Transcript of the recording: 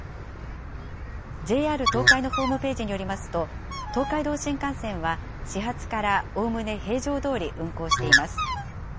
ＪＲ東海のホームページによりますと、東海道新幹線は始発からおおむね平常どおり運行しています。